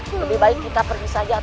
lebih baik kita pergi saja